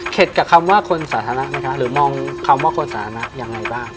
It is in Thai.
กับคำว่าคนสาธารณะไหมคะหรือมองคำว่าคนสาธารณะยังไงบ้าง